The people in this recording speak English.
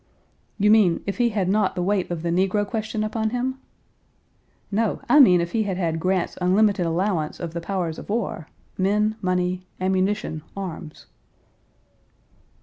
"You mean if he had not the weight of the negro question upon him?" "No, I mean if he had Grant's unlimited allowance of the powers of war men, money, ammunition, arms."